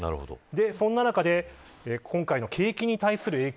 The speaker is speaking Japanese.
そんな中で今回の景気に対する影響